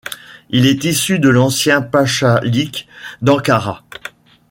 Il est issu de l'ancien pachalik d'Ankara.